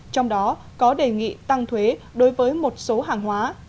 trong đó có đề nghị tăng thuế đối với một số hàng hóa